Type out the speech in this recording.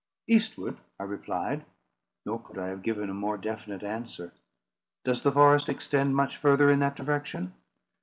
"Eastward," I replied; nor could I have given a more definite answer. "Does the forest extend much further in that direction?"